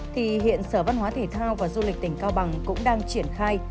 thì hiện sở văn hóa thể thao và du lịch tỉnh cao bằng cũng đang triển khai